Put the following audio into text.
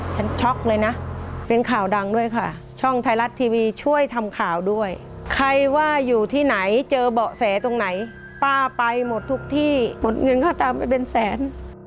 ช็อกเลยนะเป็นข่าวดังด้วยค่ะช่องไทยรัฐทีวีช่วยทำข่าวด้วยใครว่าอยู่ที่ไหนเจอเบาะแสตรงไหนป้าไปหมดทุกที่หมดเงินเข้าตามไปเป็นแสน